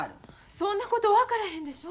そんなこと分からへんでしょ。